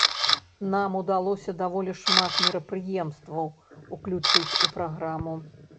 Нам удалося даволі шмат мерапрыемстваў уключыць у праграму.